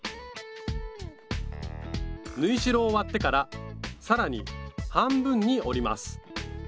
縫い代を割ってから更に半分に折ります